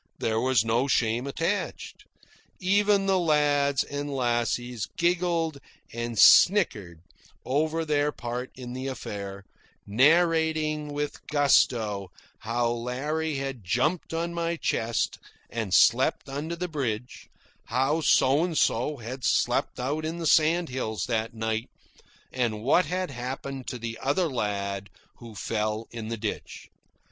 There was no shame attached. Even the lads and lassies giggled and snickered over their part in the affair, narrating with gusto how Larry had jumped on my chest and slept under the bridge, how So and So had slept out in the sandhills that night, and what had happened to the other lad who fell in the ditch.